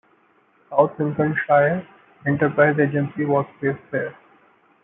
South Lincolnshire Enterprise Agency was based there.